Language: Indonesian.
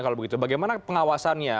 kalau begitu bagaimana pengawasannya